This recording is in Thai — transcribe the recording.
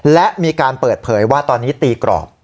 และมีการเปิดเผยว่าตอนนี้ตีกรอบ